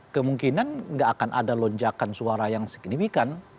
kemungkinan nggak akan ada lonjakan suara yang signifikan